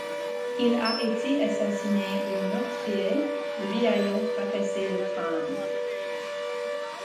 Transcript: Il a été assassiné, le meurtrier lui ayant fracassé le crâne.